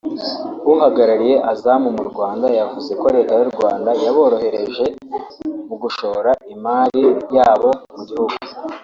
uhagarariye Azam mu Rwanda yavuze ko leta y’u Rwanda yaborohereje mu gushora imari yabo mu gihugu